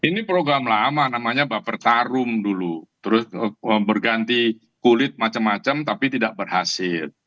ini program lama namanya bapertarum dulu terus berganti kulit macam macam tapi tidak berhasil